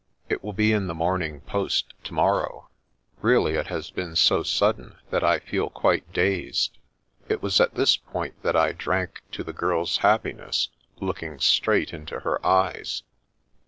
It will be in the Morning Post to morrow. Really, it has been so sudden that I feel quite dazed." It was at this point that I drank to the girl's hap piness, looking straight into her eyes.